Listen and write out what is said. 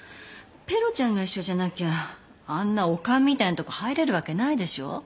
ペロちゃんが一緒じゃなきゃあんなお棺みたいなとこ入れるわけないでしょ。